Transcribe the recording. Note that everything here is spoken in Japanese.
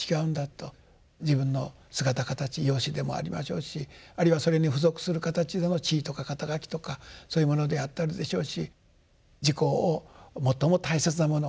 自分の姿形容姿でもありましょうしあるいはそれに付属する形での地位とか肩書とかそういうものであったりでしょうし自己を最も大切なもの